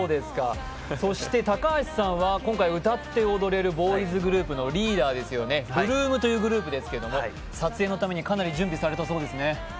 高橋さんは今回、歌って踊れるグループのリーダーですね、８ＬＯＯＭというグループですけど撮影のためにかなり準備されたそうですね。